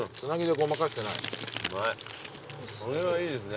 これはいいですね。